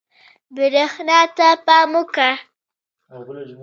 برېښنا ته پام وکړه.